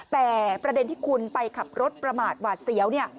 แต่ประเด็นที่คุณไปขับรถประมาทหวาดเสียว